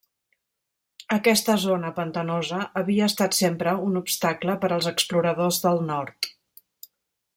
Aquesta zona pantanosa havia estat sempre un obstacle per als exploradors del nord.